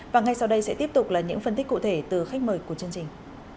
và ngay sau đây sẽ tiếp tục là những phân tích cụ thể từ khách mời của chương trình